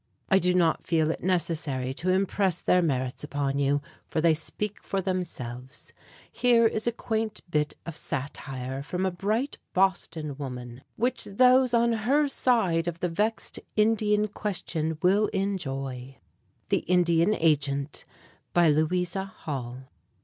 I do not feel it necessary to impress their merits upon you, for they speak for themselves Here is a quaint bit of satire from a bright Boston woman, which those on her side of the vexed Indian question will enjoy: THE INDIAN AGENT. BY LOUISA HALL.